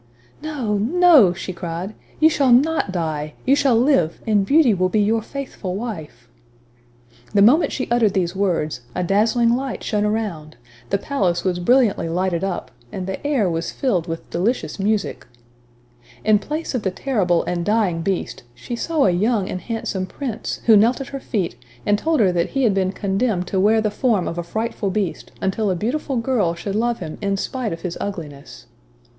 "No, no,!" she cried, "you shall not die; you shall live, and Beauty will be your faithful wife!" The moment she uttered these words, a dazzling light shone around the palace was brilliantly lighted up, and the air was filled with delicious music. In place of the terrible and dying Beast, she saw a young and handsome Prince, who knelt at her feet, and told her that he had been condemned to wear the form of a frightful Beast, until a beautiful girl should love him in spite of his ugliness!